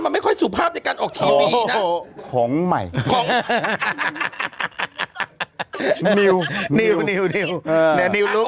มันไม่ค่อยสุภาพในการออกทีวีนะ